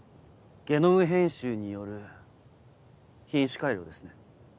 ゲノム編集による品種改良ですね？